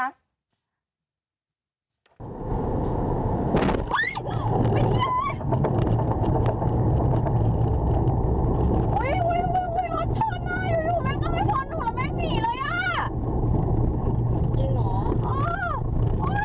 อ้าวไอ้เทียบไอ้